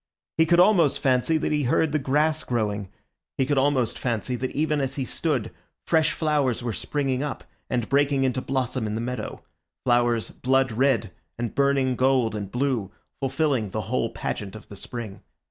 He could almost fancy that he heard the grass growing; he could almost fancy that even as he stood fresh flowers were springing up and breaking into blossom in the meadow—flowers blood red and burning gold and blue, fulfilling the whole pageant of the spring.